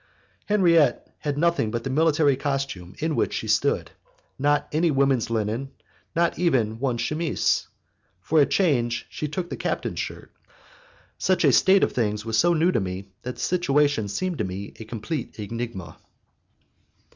Henriette had nothing but the military costume in which she stood, not any woman's linen, not even one chemise. For a change she took the captain's shirt. Such a state of things was so new to me that the situation seemed to me a complete enigma.